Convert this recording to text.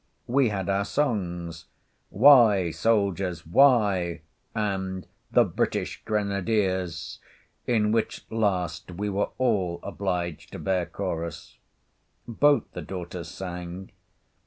We had our songs—"Why, Soldiers, Why"—and the "British Grenadiers"—in which last we were all obliged to bear chorus. Both the daughters sang.